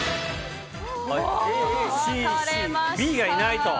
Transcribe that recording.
Ｂがいないと。